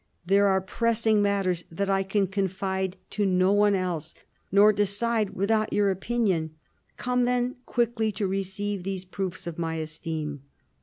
There are pressing matters that I can confide to no one else, nor decide without your opinion. Come then quickly to re ceive these proofs of my esteem."